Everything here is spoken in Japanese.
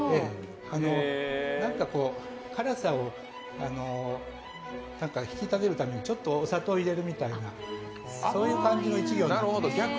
何か辛さを引き立てるためにちょっとお砂糖入れるみたいな、そういう感じの１行です。